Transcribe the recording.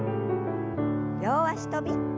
両脚跳び。